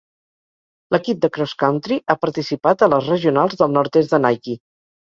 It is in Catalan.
L'equip de Cross Country ha participat a les regionals del nord-est de Nike.